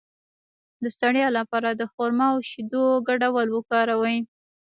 د ستړیا لپاره د خرما او شیدو ګډول وکاروئ